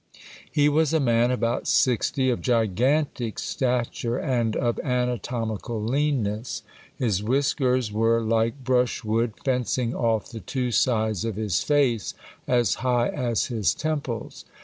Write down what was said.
He was a man about sixty, of gigantic stature, and of anatomical leanness. His whiskers were like brushwood, fencing off the two sides of his face as high as his temples.